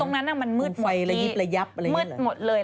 ตรงนั้นน่ะมันมืดหมดที่มืดหมดเลย